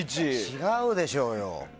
違うでしょうよ！